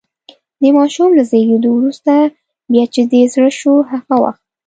د ماشوم له زېږېدو وروسته، بیا چې دې زړه شو هغه وخت.